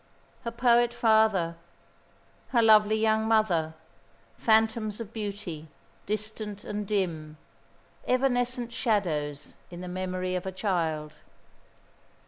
Her poet father, her lovely young mother, phantoms of beauty, distant and dim, evanescent shadows in the memory of a child.